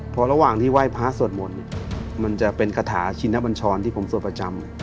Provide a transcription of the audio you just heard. เพราะระหว่างที่ไหว้พระสวดมนต์มันจะเป็นคาถาชินบัญชรที่ผมสวดประจำ